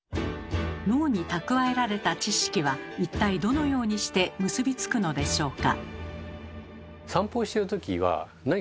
脳に蓄えられた知識は一体どのようにして結びつくのでしょうか？